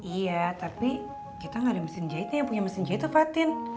iya tapi kita nggak ada mesin jahitnya yang punya mesin jahit itu patin